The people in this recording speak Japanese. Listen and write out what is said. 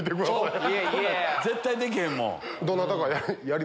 絶対できへんもん。